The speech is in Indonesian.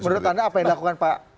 menurut anda apa yang dilakukan pak